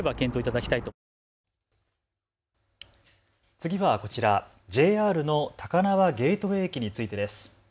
次はこちら、ＪＲの高輪ゲートウェイ駅についてです。